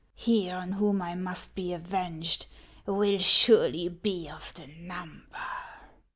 " He on whom I must be avenged will surely be of the number.